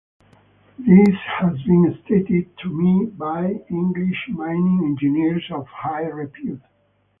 This has been stated to me by English mining engineers of high repute.